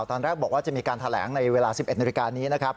ตอนแรกบอกว่าจะมีการแถลงในเวลา๑๑นาฬิกานี้นะครับ